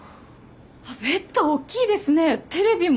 あっベッド大きいですねぇテレビも。